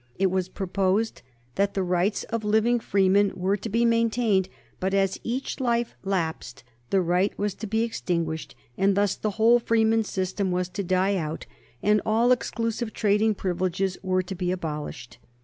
It was proposed that the rights of living freemen were to be maintained, but as each life lapsed the right was to be extinguished, and thus the whole freeman system was to die out and all exclusive trading privileges were to be abolished.